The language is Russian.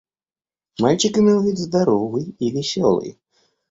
Мальчик имел вид здоровый и веселый.